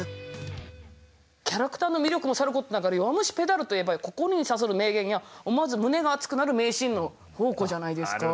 キャラクターの魅力もさることながら「弱虫ペダル」といえば心に刺さる名言や思わず胸が熱くなる名シーンの宝庫じゃないですか。